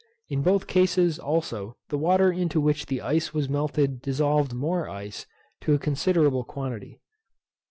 In both cases, also, the water into which the ice was melted dissolved more ice, to a considerable quantity.